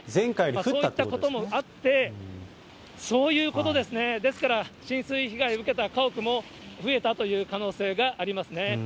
そういったこともあって、そういうことですね、ですから、浸水被害受けた家屋も増えたという可能性がありますね。